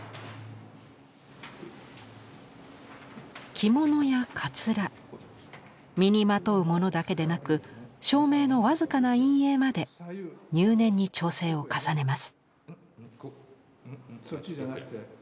着物やかつら身にまとうものだけでなく照明の僅かな陰影まで入念に調整を重ねます。